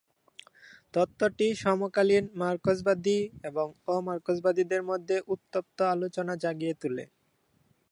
তত্ত্বটি সমকালীন মার্কসবাদী এবং অ-মার্কসবাদীদের মধ্যে উত্তপ্ত আলোচনা জাগিয়ে তোলে।